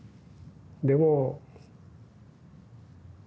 でも。